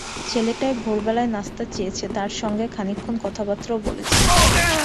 ছেলেটা ভোরবেলায় নাস্তা চেয়েছে, তার সঙ্গে খানিকক্ষণ কথাবার্তাও বলেছে।